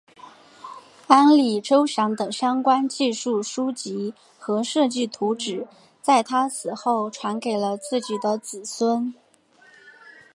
安里周祥的相关技术书籍和设计图纸在他死后传给了自己的子孙。